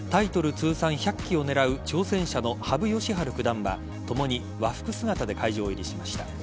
通算１００期を狙う挑戦者の羽生善治九段は共に和服姿で会場入りしました。